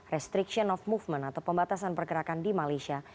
restriction of movement atau pembatasan pergerakan di malaysia